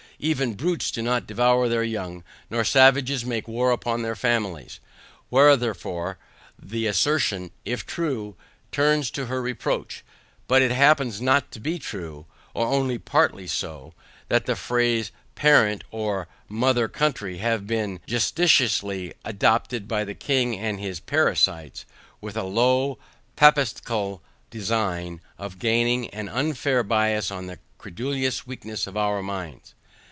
Even brutes do not devour their young, nor savages make war upon their families; wherefore the assertion, if true, turns to her reproach; but it happens not to be true, or only partly so, and the phrase PARENT or MOTHER COUNTRY hath been jesuitically adopted by the king and his parasites, with a low papistical design of gaining an unfair bias on the credulous weakness of our minds.